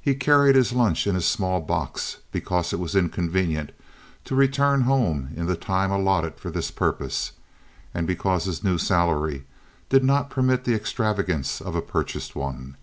He carried his lunch in a small box because it was inconvenient to return home in the time allotted for this purpose, and because his new salary did not permit the extravagance of a purchased one.